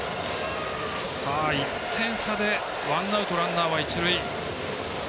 １点差でワンアウト、ランナー、一塁。